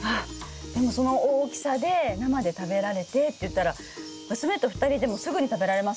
でもその大きさで生で食べられてっていったら娘と２人でもすぐに食べられますね。